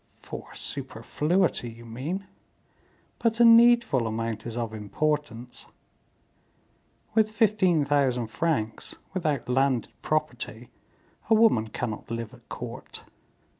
"For superfluity, you mean; but a needful amount is of importance. With fifteen thousand francs, without landed property, a woman cannot live at court.